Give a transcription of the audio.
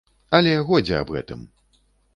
Але годзе аб гэтым!